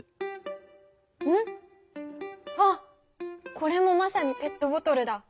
これもまさにペットボトルだ！